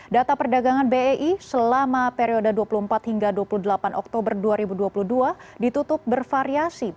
data perdagangan bei selama periode dua puluh empat hingga dua puluh delapan oktober dua ribu dua puluh dua ditutup bervariasi